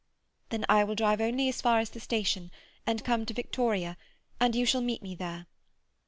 "Then I will drive only as far as the station, and come to Victoria, and you shall meet me there."